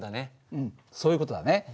うんそういう事だね。